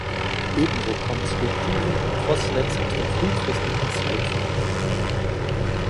Ebenso kommen Skulpturen und Cross-Slabs aus der frühchristlichen Zeit vor.